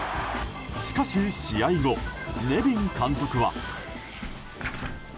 しかし、試合後ネビン監督は。